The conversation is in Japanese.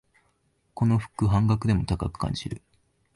この服、半額でも高く感じる